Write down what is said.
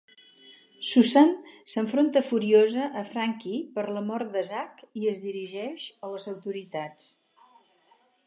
Susan s'enfronta furiosa a Frankie per la mort de Zack i es dirigeix a les autoritats.